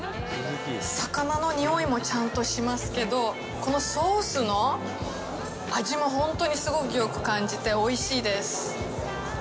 魚のにおいもちゃんとしますけど、このソースの味も、本当にすごくよく感じて、おいしいです。